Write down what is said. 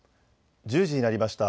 １０時になりました。